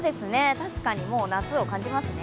確かに、もう夏を感じますね。